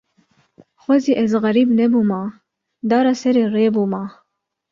Xwezî ez xerîb nebûma, dara serê rê bûma